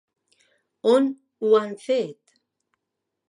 On ho han fet?